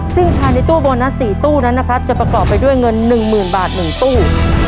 ซึ่งภายในตู้โบนัส๔ตู้นั้นนะครับจะประกอบไปด้วยเงิน๑๐๐๐บาท๑ตู้